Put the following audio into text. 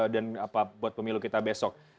dan buat pemilu kita besok